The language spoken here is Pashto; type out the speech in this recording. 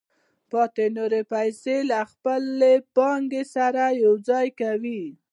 پاتې نورې پیسې له خپلې پانګې سره یوځای کوي